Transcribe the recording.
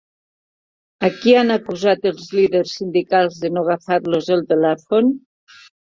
A qui han acusat els líders sindicals de no agafar-los el telèfon?